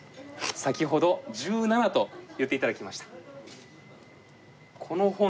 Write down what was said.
先ほど「１７」と言って頂きました。